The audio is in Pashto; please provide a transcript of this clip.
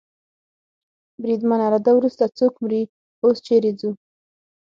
بریدمنه، له ده وروسته څوک مري؟ اوس چېرې ځو؟